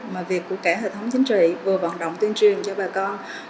mà việc của cả hệ thống chính trị vừa vận động tuyên truyền cho bà con